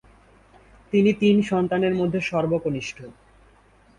তিনি তিন সন্তানের মধ্যে সর্বকনিষ্ঠ।